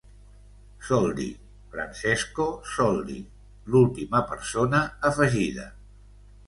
Soldi, Francesco Soldi... l'última persona afegida.